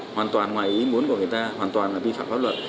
hoàn toàn ngoài ý muốn của người ta hoàn toàn là vi phạm pháp luật